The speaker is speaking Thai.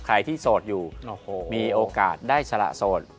ใครที่โสดอยู่มีโอกาสได้สละโสด